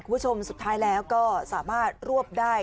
คุณผู้ชมสุดท้ายแล้วก็สามารถรวบได้